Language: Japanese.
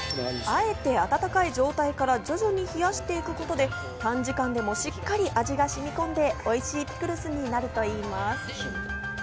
あえて温かい状態から徐々に冷やしていくことで短時間でも味がしっかりと染み込んでおいしいピクルスになるといいます。